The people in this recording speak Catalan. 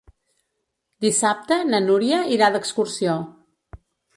Dissabte na Núria irà d'excursió.